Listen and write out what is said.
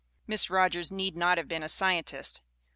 Miss Rogers need not have been a Scien tist.